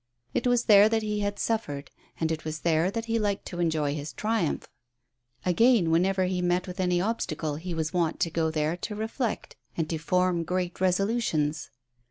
It was there that he had suffered, and it was there that he liked to enjoy his triumph. Again, whenever he met with any obstacle he was wont to go there to reflect and to form great resolutions.